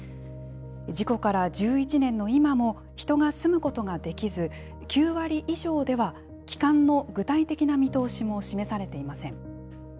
事故から１１年の今も、人が住むことができず、９割以上では、帰還の具体的な見通しも示されていません。